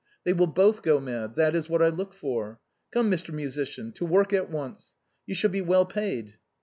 They will both go mad ; that is what I look for. Come, Mr. Musician, to work at once. You shall be well paid."